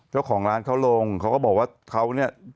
เจ้าของร้านเขาลงเขาก็บอกว่า